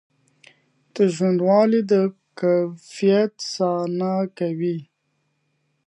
دا ژورنال د کیفیت ساتنه کوي.